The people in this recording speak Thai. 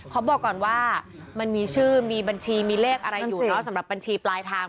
บอกก่อนว่ามันมีชื่อมีบัญชีมีเลขอะไรอยู่เนาะสำหรับบัญชีปลายทาง